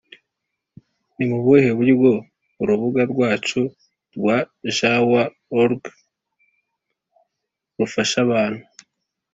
Ni mu buhe buryo urubuga rwacu rwa jw org rufasha abantu